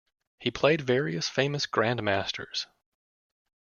He played various famous grandmasters.